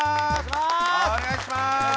お願いします！